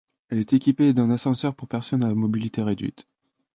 Elle est équipée d'un ascenseur pour personnes à mobilité réduite.